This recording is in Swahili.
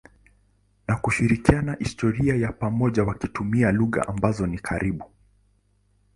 na kushirikiana historia ya pamoja wakitumia lugha ambazo ni karibu.